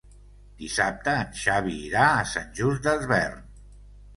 Dissabte en Xavi irà a Sant Just Desvern.